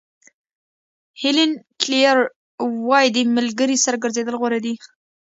هیلن کیلر وایي د ملګري سره ګرځېدل غوره دي.